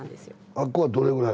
あっこはどれぐらい？